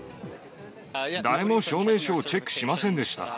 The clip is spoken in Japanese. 誰も証明書をチェックしませんでした。